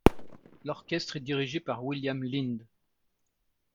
L'orchestre est dirigé par William Lind.